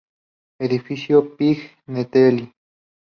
Edificio Pignatelli.